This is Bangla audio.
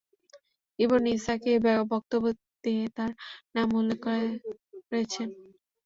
ইবন ইসহাক এ বক্তব্য দিয়ে তাদের নামও উল্লেখ করেছেন।